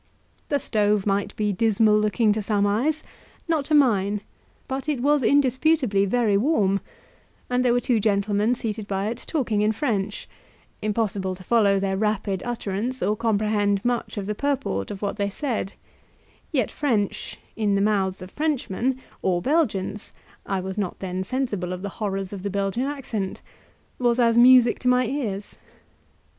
The stove might be dismal looking to some eyes, not to mine, but it was indisputably very warm, and there were two gentlemen seated by it talking in French; impossible to follow their rapid utterance, or comprehend much of the purport of what they said yet French, in the mouths of Frenchmen, or Belgians (I was not then sensible of the horrors of the Belgian accent) was as music to my ears.